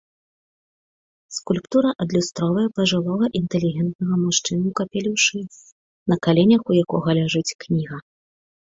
Скульптура адлюстроўвае пажылога інтэлігентнага мужчыну ў капелюшы, на каленях у якога ляжыць кніга.